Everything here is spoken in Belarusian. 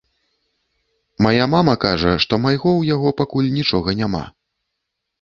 Мая мама кажа, што майго ў яго пакуль нічога няма.